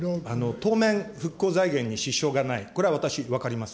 当面、復興財源に支障がない、これ私、分かります。